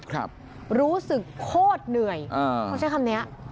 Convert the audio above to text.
ครับรู้สึกโคตรเหนื่อยอ่าเขาใช้คำเนี้ย